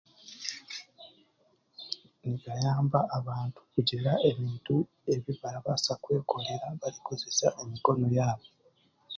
nibayamba abantu kugira ebintu ebi barabaasa kwekorera barikukozesa emikono yaabo.